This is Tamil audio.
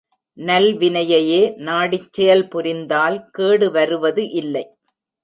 நல்வினையையே நாடிச் செயல் புரிந்தால் கேடு வருவது இல்லை.